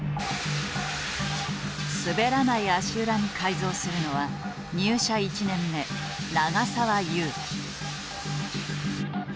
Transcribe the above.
滑らない足裏に改造するのは入社１年目長澤勇希。